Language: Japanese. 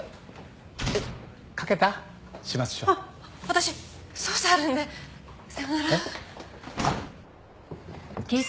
私捜査あるのでさようなら。